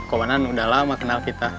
komandan udah lama kenal kita